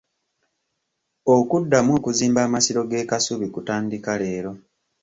Okuddamu okuzimba amasiro g'e Kasubi kutandika leero.